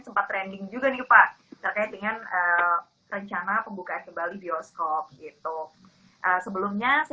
sempat trending juga nih pak terkait dengan rencana pembukaan kembali bioskop itu sebelumnya saya